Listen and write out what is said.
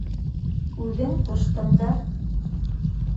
Үҙең ҡуштың да.